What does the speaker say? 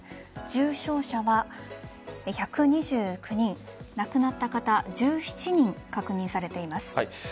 重症者は１２９人亡くなった方１７人確認されています。